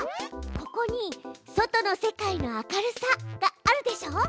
ここに「外の世界の明るさ」があるでしょ。